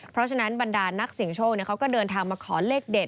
เพราะฉะนั้นบรรดานักเสี่ยงโชคเขาก็เดินทางมาขอเลขเด็ด